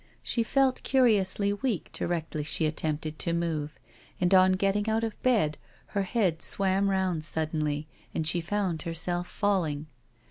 She felt curiously weak directly she at tempted to move, and on getting out of bed her head swam round suddenly and she found herself falling.